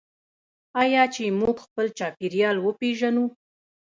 آیا چې موږ خپل چاپیریال وپیژنو؟